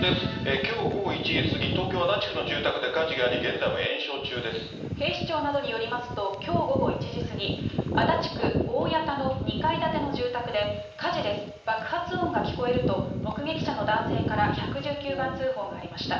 きょう午後１時過ぎ、東京・足立区の住宅で火事があり、警視庁などによりますと、きょう午後１時過ぎ、足立区おおやたの２階建ての住宅で火事です、爆発音が聞こえると、目撃者の男性から１１９番通報がありました。